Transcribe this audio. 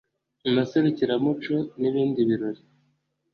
mu maserukira muco n'ibindi birori